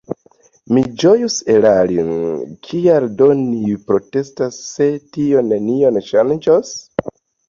Mi ĝojus erari … Kial do ni protestas, se tio nenion ŝanĝos?